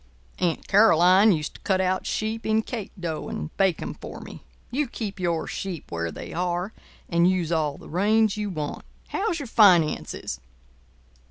Aunt Caroline used to cut out sheep in cake dough and bake 'em for me. You keep your sheep where they are, and use all the range you want. How's your finances?"